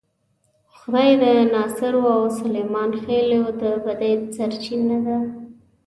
خدۍ د ناصرو او سلیمان خېلو د بدۍ سرچینه وه.